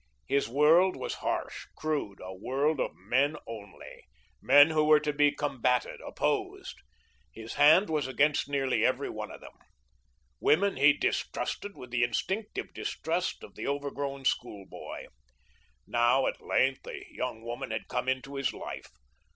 His world was harsh, crude, a world of men only men who were to be combatted, opposed his hand was against nearly every one of them. Women he distrusted with the instinctive distrust of the overgrown schoolboy. Now, at length, a young woman had come into his life.